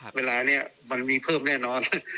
เวลานี้มันมีเพิ่มแน่นอน